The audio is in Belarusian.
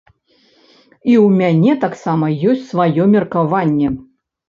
І ў мяне таксама ёсць сваё меркаванне.